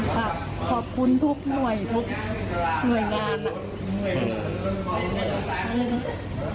ค่ะขอบคุณทุกหน่วยทุกหน่วยงานอ่ะอืม